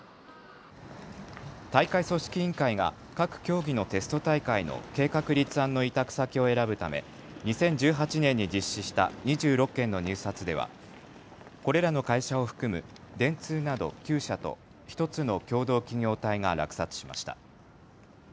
大会組織委員会が各競技のテスト大会の計画立案の委託先を選ぶため２０１８年に実施した２６件の入札ではこれらの会社を含む電通など９社と１つの共同企業体が落札しました。